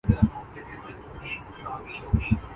وہاں پہنچنے میں کتنا ٹائم لگتا ہے؟